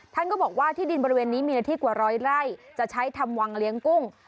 ท่านก็บอกว่าที่ดินบริเวณนี้มีเนื้อที่กว่าร้อยไร่จะใช้ทำวังเลี้ยงกุ้ง